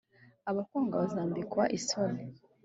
abakwanga bazambikwa isoni,